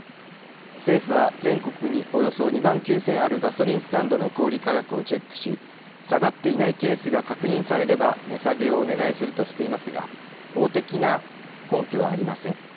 政府は全国におよそ２万９０００あるガソリンスタンドの小売価格をチェックし下がっていないケースが確認されれば値下げをお願いするとしていますが法的な根拠はありません。